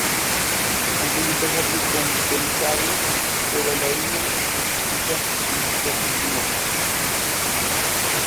Antes de casarse con Belisario fue bailarina y prostituta en Constantinopla.